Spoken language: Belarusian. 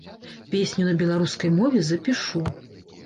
Песню на беларускай мове запішу.